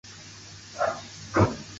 此外还有笨珍培群独中。